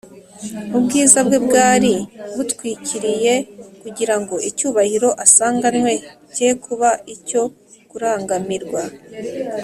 Ubwiza bwe bwari butwikiriye, kugira ngo icyubahiro asanganywe cye kuba icyo kurangamirwa.